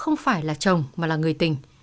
không phải là chồng mà là người tình